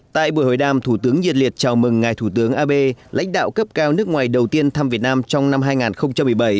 tại buổi hội đàm thủ tướng nhiệt liệt chào mừng ngài thủ tướng abe lãnh đạo cấp cao nước ngoài đầu tiên thăm việt nam trong năm hai nghìn một mươi bảy